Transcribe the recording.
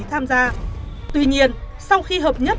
tuy nhiên sau khi hợp nhất